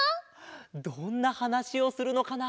どんなはなしをするのかな？